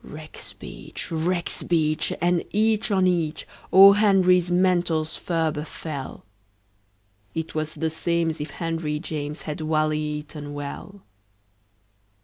Rexbeach! rexbeach! and each on each O. Henry's mantles ferber fell. It was the same'sif henryjames Had wally eaton well.